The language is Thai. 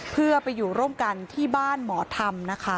เพื่อไปอยู่ร่วมกันที่บ้านหมอธรรมนะคะ